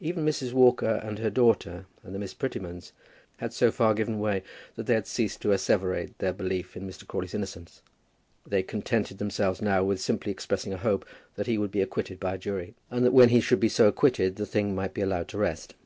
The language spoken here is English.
Even Mrs. Walker and her daughter, and the Miss Prettymans, had so far given way that they had ceased to asseverate their belief in Mr. Crawley's innocence. They contented themselves now with simply expressing a hope that he would be acquitted by a jury, and that when he should be so acquitted the thing might be allowed to rest.